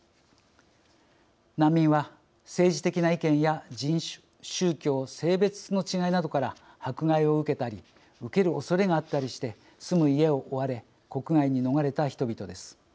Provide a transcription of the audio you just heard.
難民は政治的な意見や人種宗教性別の違いなどから迫害を受けたり受けるおそれがあったりして住む家を追われ国外に逃れた人々です。